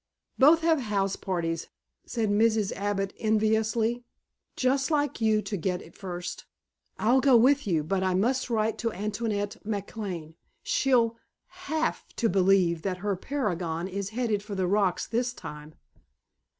"Both have house parties," said Mrs. Abbott enviously. "Just like you to get it first! I'd go with you but I must write to Antoinette McLane. She'll have to believe that her paragon is headed for the rocks this time."